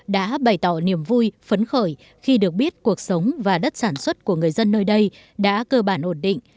đã bày tỏ niềm vui phấn khởi khi được biết cuộc sống và đất sản xuất của người dân nơi đây đã cơ bản ổn định